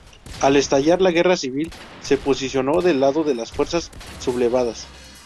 Al estallar la Guerra civil se posicionó del lado de las fuerzas sublevadas.